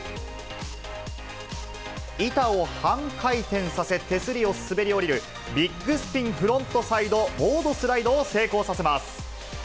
板を半回転させ、手すりを滑り降りるビッグスピンフロントサイドボードスライドを成功させます。